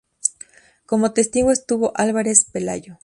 Como testigo estuvo Álvarez Pelayo.